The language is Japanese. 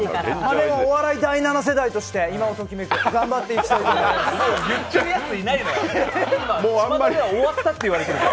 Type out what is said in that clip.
でもお笑い第７世代として、今をときめく、頑張っていきたいと思います！